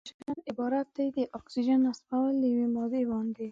اکسیدیشن عبارت دی له د اکسیجن نصبول په یوې مادې باندې.